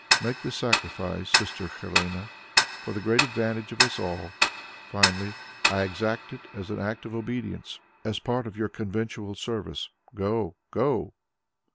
Make this sacrifice, Sister Helene, for the great advantage of us all. Finally I exact it as an act of obedience, as part of your conventual service. Go! Go!"